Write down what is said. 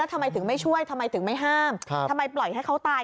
ทำไมถึงไม่ช่วยทำไมถึงไม่ห้ามทำไมปล่อยให้เขาตาย